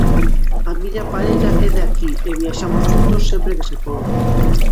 A miña parella é de aquí e viaxamos xuntos sempre que se pode.